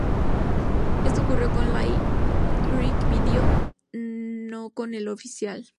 Esto ocurrió con el "Lyric Video", no con el oficial.